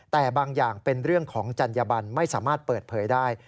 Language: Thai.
แต่บางอย่างเป็นเรื่องของจัญญบันไม่สามารถเปิดเผยได้